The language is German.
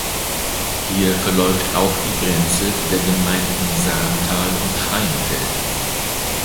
Hier verläuft auch die Grenze der Gemeinden Sarntal und Freienfeld.